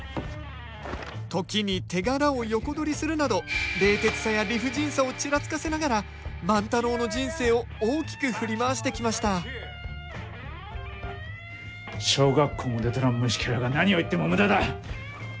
時に手柄を横取りするなど冷徹さや理不尽さをちらつかせながら万太郎の人生を大きく振り回してきました小学校も出とらん虫ケラが何を言っても無駄だ！